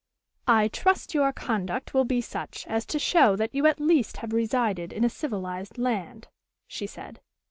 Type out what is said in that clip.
"I trust your conduct will be such as to show that you at least have resided in a civilized land," she said.